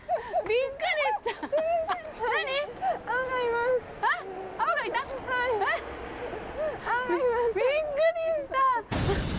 びっくりした！